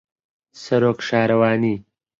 سەرۆک شارەوانی